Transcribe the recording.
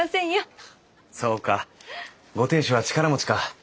そうかご亭主は力持ちか。